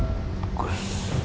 jauh dan bagus